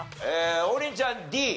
王林ちゃんＤ。